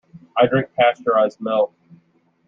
I drink pasteurized milk.